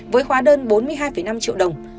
với khóa đơn bốn mươi hai năm triệu đồng